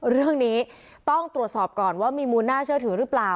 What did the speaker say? เรื่องนี้ต้องตรวจสอบก่อนว่ามีมูลน่าเชื่อถือหรือเปล่า